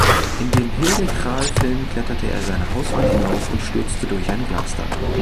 In dem Hilde Krahl-Film kletterte er eine Hauswand hinauf und stürzte durch ein Glasdach.